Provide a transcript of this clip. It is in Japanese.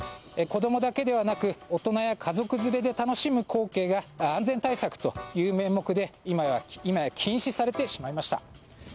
子供だけではなく大人や家族連れで楽しむ光景が安全対策という名目で今や禁止されてしまいました。